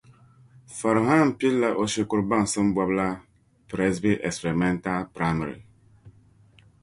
Farihan pilila o shikuru baŋsim bɔbu la Presby Experimental Primary.